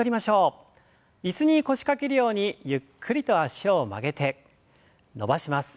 椅子に腰掛けるようにゆっくりと脚を曲げて伸ばします。